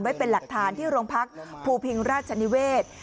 ไว้เป็นหลักฐานที่โรงพักภูพิงราชนิเวศ